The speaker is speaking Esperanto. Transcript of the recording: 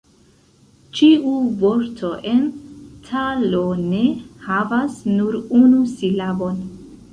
Ĉiu vorto en "Ta lo ne" havas nur unu silabon.